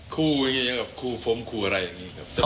คู่อย่างนี้ครับคู่ผมคู่อะไรอย่างนี้ครับ